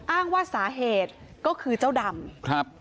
อ้างว่าสาเหตุก็คือเจ้าดำครับ